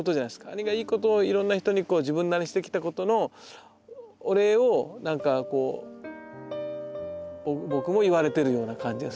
兄がいいことをいろんな人に自分なりにしてきたことのお礼をなんかこう僕も言われてるような感じがするっていうか。